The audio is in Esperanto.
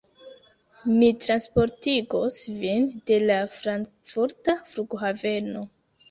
Mi transportigos vin de la Frankfurta flughaveno.